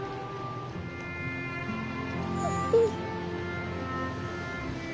うん。